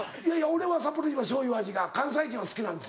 俺はサッポロ一番しょうゆ味が関西人は好きなんです。